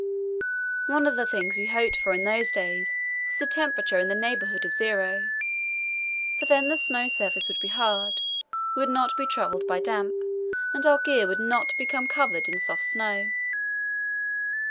One of the things we hoped for in those days was a temperature in the neighbourhood of zero, for then the snow surface would be hard, we would not be troubled by damp, and our gear would not become covered in soft snow.